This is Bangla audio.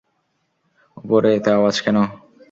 উপরে এত আওয়াজ কেন?